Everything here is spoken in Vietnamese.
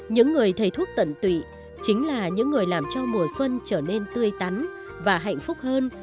những người thầy thuốc tận tụy chính là những người làm cho mùa xuân trở nên tươi tắn và hạnh phúc hơn